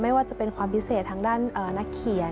ว่าจะเป็นความพิเศษทางด้านนักเขียน